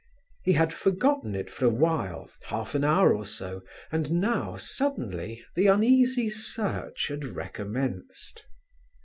He had forgotten it for a while, half an hour or so, and now, suddenly, the uneasy search had recommenced.